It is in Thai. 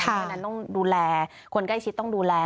เพราะฉะนั้นต้องดูแลคนใกล้ชิดต้องดูแล